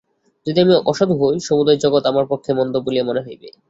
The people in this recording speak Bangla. যদি আমি অসাধু হই, সমুদয় জগৎ আমার পক্ষে মন্দ বলিয়া মনে হইবে।